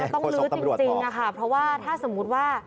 ต้องลื้อจริงค่ะเพราะว่าถ้าสมมุติว่า